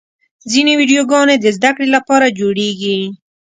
ځینې ویډیوګانې د زدهکړې لپاره جوړېږي.